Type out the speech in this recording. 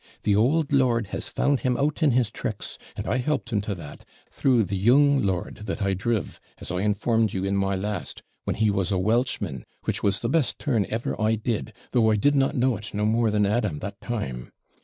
The ould lord has found him out in his tricks; and I helped him to that, through the young lord that I driv, as I informed you in my last, when he was a Welchman, which was the best turn ever I did, though I did not know it no more than Adam that time.